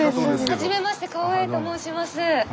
はじめまして川栄と申します。